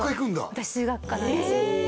私数学科なんですよ